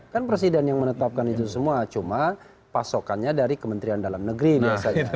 kan presiden yang menetapkan itu semua cuma pasokannya dari kementerian dalam negeri biasanya